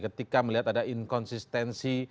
ketika melihat ada inkonsistensi